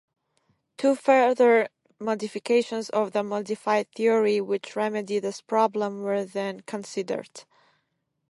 Two further modifications of the modified theory, which remedy this problem, were then considered.